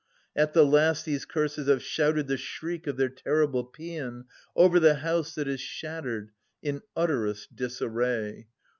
At the last these Curses have shouted the shriek of their terrible paean Over the house that is shattered in utterest disarray.